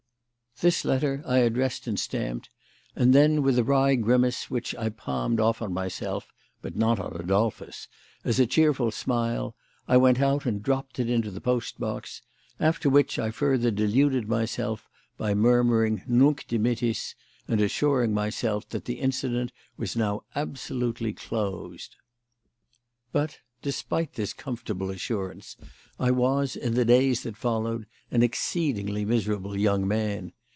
This letter I addressed and stamped, and then, with a wry grimace which I palmed off on myself (but not on Adolphus) as a cheerful smile, I went out and dropped it into the post box; after which I further deluded myself by murmuring Nunc dimittis and assuring myself that the incident was now absolutely closed. But, despite this comfortable assurance, I was, in the days that followed, an exceedingly miserable young man.